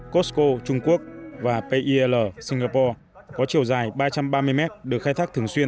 costco trung quốc và pel singapore có chiều dài ba trăm ba mươi mét được khai thác thường xuyên